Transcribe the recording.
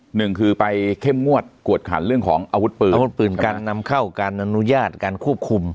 หนึ่งคือไปเข้มงวดกวดขันเรื่องของอาวุธปืนอาวุธปืนการนำเข้าการอนุญาตการควบคุม